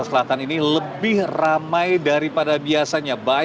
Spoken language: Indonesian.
sen ukraine sekarang membeli agenda perubahan aplikasinya sebagai